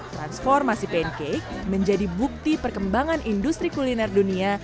transformasi pancake menjadi bukti perkembangan industri kuliner dunia